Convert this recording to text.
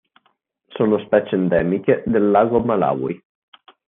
Sono specie endemiche del Lago Malawi.